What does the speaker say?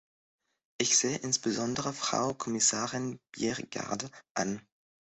Ich sehe insbesondere Frau Kommissarin Bjerregaard an.